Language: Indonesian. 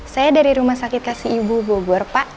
saya dari rumah sakit kasih ibu bogor pak